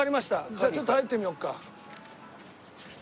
じゃあちょっと入ってみようか。